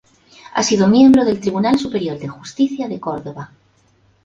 Ha sido miembro del Tribunal Superior de Justicia de Córdoba.